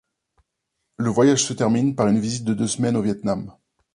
Le voyage se termine par une visite de deux semaines au Viêt Nam.